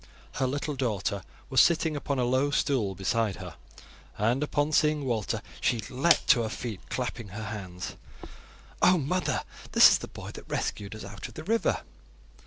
Her little daughter was sitting upon a low stool beside her, and upon seeing Walter she leapt to her feet, clapping her hands. "Oh! mother, this is the boy that rescued us out of the river."